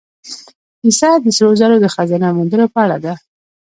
کیسه د سرو زرو د خزانه موندلو په اړه ده.